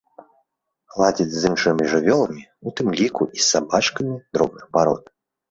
Ладзіць з іншымі жывёламі, у тым ліку і з сабачкамі дробных парод.